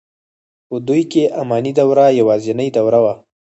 په دوی کې اماني دوره یوازنۍ دوره وه.